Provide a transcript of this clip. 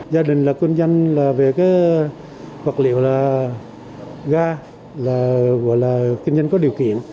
gia đình là kinh doanh về vật liệu ga là kinh doanh có điều kiện